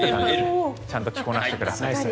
ちゃんと着こなしてください。